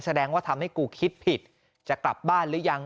แสดงว่าทำให้กูคิดผิดจะกลับบ้านหรือยัง